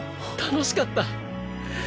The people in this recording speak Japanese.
楽しかった！